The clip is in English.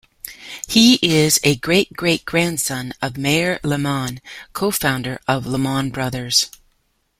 He is a great-great-grandson of Mayer Lehman, co-founder of Lehman Brothers.